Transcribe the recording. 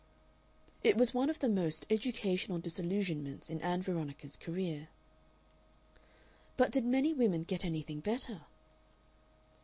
It was one of the most educational disillusionments in Ann Veronica's career. But did many women get anything better?